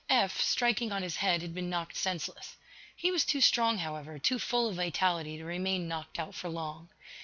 Eph, striking on his head, had been knocked senseless. He was too strong, however, too full of vitality, to remain knocked out for long.